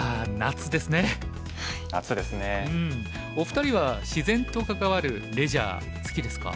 お二人は自然と関わるレジャー好きですか？